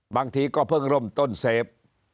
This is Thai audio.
บางทีก็เพิ่งเริ่มต้นเซฟ